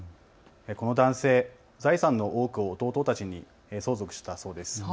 この男性、財産の多くを弟たちに相続したそうです。